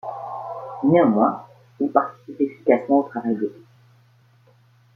Néanmoins, il participe efficacement au travail d'équipe.